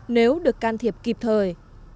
nếu được can thiệp kịp thời